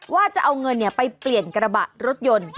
ว่าจะเอาเงินไปเปลี่ยนกระบะรถยนต์